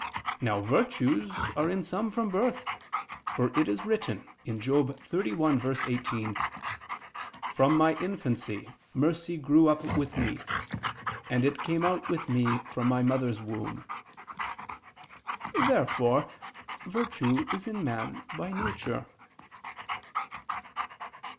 Now virtues are in some from birth: for it is written (Job 31:18): "From my infancy mercy grew up with me; and it came out with me from my mother's womb." Therefore virtue is in man by nature.